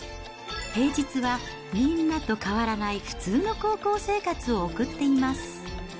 平日はみんなと変わらない普通の高校生活を送っています。